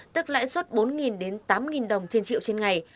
tức lãi suất bốn đến tám đồng trên triệu trên ngày